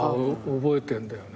覚えてんだよね。